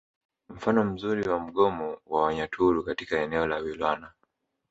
Mfano mzuri wa mgomo wa Wanyaturu katika eneo la Wilwana